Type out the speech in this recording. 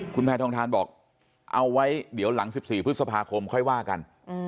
คุณแพทองทานบอกเอาไว้เดี๋ยวหลัง๑๔พฤษภาคมค่อยว่ากัน